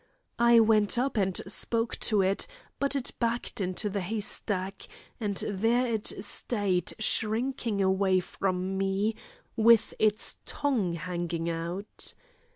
I went up and spoke to it, but it backed into the hay stack, and there it stayed shrinking away from me, with its tongue hanging out.